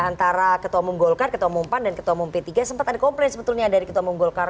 antara ketua umum golkar ketua umum pan dan ketua umum p tiga sempat ada komplain sebetulnya dari ketua umum golkar